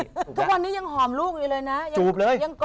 ทุกวันนี้ยังหอมลูกอยู่เลยนะ